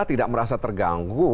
kita tidak merasa terganggu